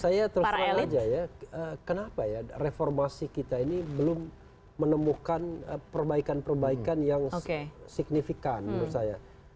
saya terus terang aja ya kenapa ya reformasi kita ini belum menemukan perbaikan perbaikan yang signifikan menurut saya